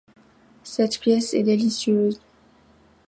Cette pièce est délicieuse